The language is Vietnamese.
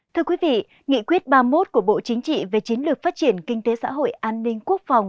thưa quý vị nghị quyết ba mươi một của bộ chính trị về chiến lược phát triển kinh tế xã hội an ninh quốc phòng